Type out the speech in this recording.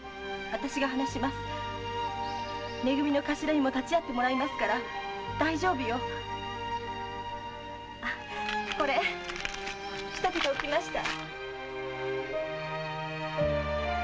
め組の頭にも立ち合ってもらいますから大丈夫よあっこれ仕立てておきました。